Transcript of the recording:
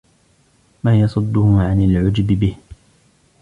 مَا يَصُدُّهُ عَنْ الْعُجْبِ بِهِ